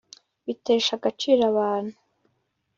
bitesha agaciro abantu